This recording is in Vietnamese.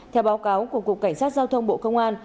theo báo cáo của cục cảnh sát giao thông bộ công an